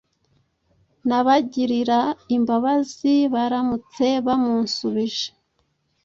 nabagirira imbabazi baramutse bamunsubije